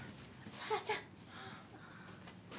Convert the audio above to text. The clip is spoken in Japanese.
沙羅ちゃん。